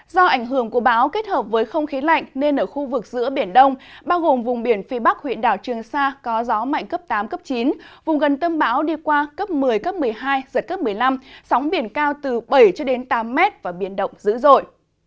do ảnh hưởng của bão kết hợp với không khí lạnh nên ở khu vực giữa biển đông bao gồm vùng biển phía bắc huyện đảo trường sa có gió mạnh cấp tám cấp chín vùng gần tâm bão đi qua cấp một mươi cấp một mươi hai giật cấp một mươi năm sóng biển cao từ bảy tám mét và biển động dữ dội